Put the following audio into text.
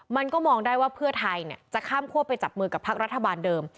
มันก็มองได้ว่าเพื่อไทยจะข้ามคั่วไปจับมือกับพักรัฐบาลเดิม